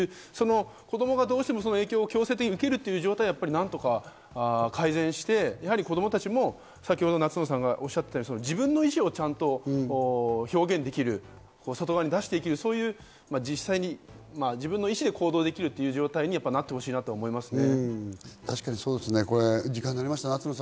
そして実際に虐待にあったり、命の危険にあったり、子供がどうしても影響を強制的に受ける状態は何とか改善して、子供たちも先ほど、夏野さんがおっしゃったように、自分の意思をちゃんと表現できる、外側に出していける、実際に自分の意思で行動できるという状態になってほしいなと思いますね。